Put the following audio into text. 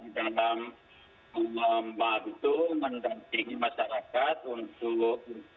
di dalam membantu mendampingi masyarakat untuk